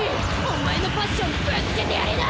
おまえのパッションぶつけてやりな！